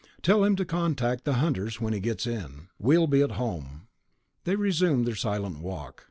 "Tell him to contact the Hunters when he comes in. We'll be at home...." They resumed their silent walk.